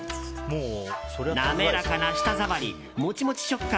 滑らかな舌触り、モチモチ食感